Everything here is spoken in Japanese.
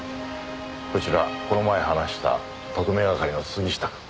こちらこの前話した特命係の杉下くん。